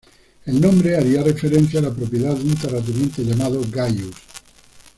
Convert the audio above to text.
El nombre haría referencia a la propiedad de un terrateniente llamado "Gaius".